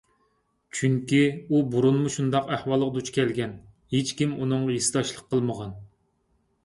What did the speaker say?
چۈنكى ئۇ بۇرۇنمۇ شۇنداق ئەھۋالغا دۇچ كەلگەن، ھېچكىم ئۇنىڭغا ھېسداشلىق قىلمىغان.